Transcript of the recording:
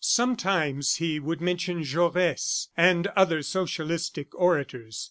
Sometimes he would mention Jaures and other socialistic orators.